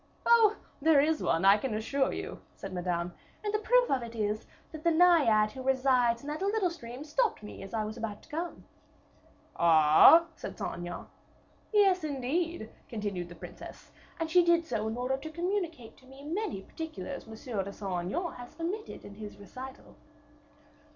"Oh! there is one, I can assure you," said Madame; "and the proof of it is, that the Naiad who resides in that little stream stopped me as I was about to come." "Ah?" said Saint Aignan. "Yes, indeed," continued the princess, "and she did so in order to communicate to me many particulars Monsieur de Saint Aignan has omitted in his recital."